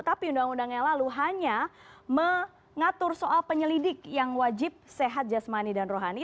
tapi undang undang yang lalu hanya mengatur soal penyelidik yang wajib sehat jasmani dan rohani